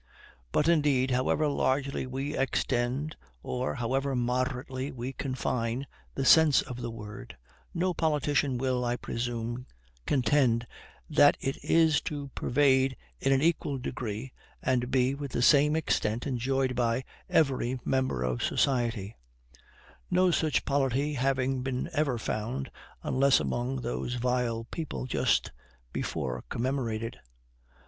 But, indeed, however largely we extend, or however moderately we confine, the sense of the word, no politician will, I presume, contend that it is to pervade in an equal degree, and be, with the same extent, enjoyed by, every member of society; no such polity having been ever found, unless among those vile people just before commemorated.